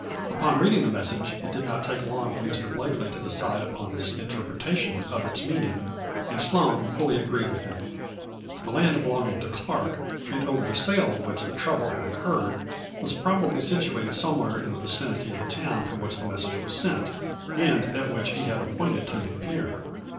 Upon reading the message it did not take long for Mr. Blakely to decide upon his inter « pretation of its meaning, and Sloane fully agreed with him. The land belonging to Clark, and over the sale of which the trouble had occurred, was probably situated somewhere in the vicinity of the town from which the message was sent, and at which he had appointed to meet Pierre.